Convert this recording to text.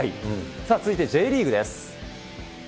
続いてＪリーグです。